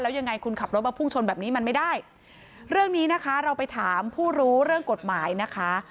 ยังไงคุณขับรถมาพุ่งชนแบบนี้มันไม่ได้เรื่องนี้นะคะเราไปถามผู้รู้เรื่องกฎหมายนะคะ